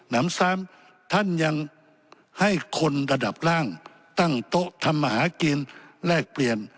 น้ำซ้ำท่านยังให้คนระดับล่างตั้งโต๊ะทำมาหากินแลกเปลี่ยน